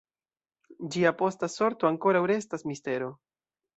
Ĝia posta sorto ankoraŭ restas mistero.